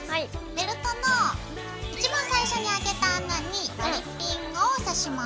ベルトの一番最初にあけた穴に割りピンをさします。